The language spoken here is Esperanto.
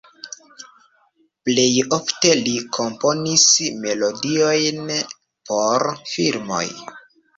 Plej ofte li komponis melodiojn por filmoj.